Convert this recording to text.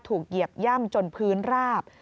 เหยียบย่ำจนพื้นราบ